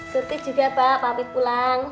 surtit juga pak pamit pulang